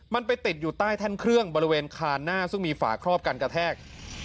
มันไปติดอยู่ใต้แท่นเครื่องบริเวณคานหน้าซึ่งมีฝาครอบกันกระแทก